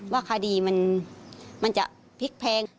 ว่าคดีมันจะพลิกแพง